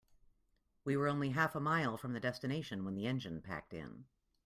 We were only half a mile from the destination when the engine packed in.